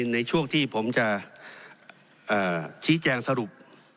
ในช่วงที่ผมจะชี้แจงสรุป